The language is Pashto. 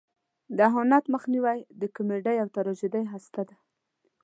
د اهانت مخنیوی د کمیډۍ او تراژیدۍ هسته ده.